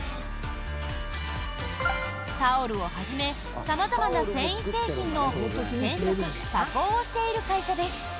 タオルをはじめ様々な繊維製品の染色・加工をしている会社です。